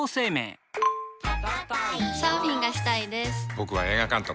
僕は映画監督。